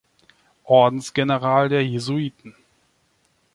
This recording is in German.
Ordensgeneral der Jesuiten.